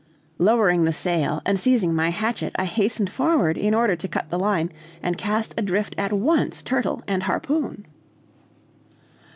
Lowering the sail and seizing my hatchet, I hastened forward, in order to cut the line, and cast adrift at once turtle and harpoon.